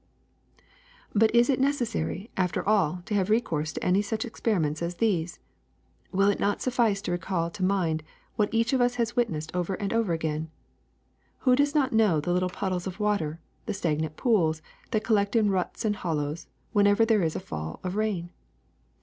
^^But is it necessary, after all, to have recourse to any such experiments as these? Will it not suf fice to recall to mind what each one of us has wit nessed over and over again? Who does not know the little puddles of water, the stagnant pools, that collect in ruts and hollows whenever there is a fall of rain?